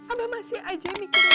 abah masih aja mikirnya